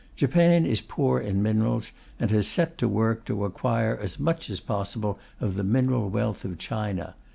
Japan is poor in minerals, and has set to work to acquire as much as possible of the mineral wealth of China.